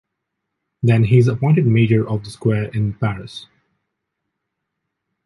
Then he is appointed major of the square in Paris.